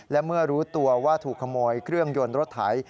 และเมื่อรู้ตัวว่าถูกขโมยเครื่องยนต์รถไถ